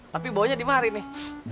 tapi bawanya di mari nih